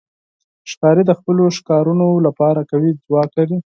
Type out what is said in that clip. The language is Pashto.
ښکاري د خپلو ښکارونو لپاره قوي ځواک لري.